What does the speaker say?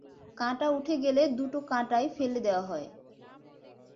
কাঁটা উঠে গেলে দুটো কাঁটাই ফেলে দেওয়া হয়।